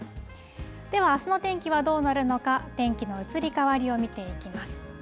ではあすの天気はどうなるのか、天気の移り変わりを見ていきます。